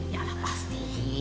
ya lah pasti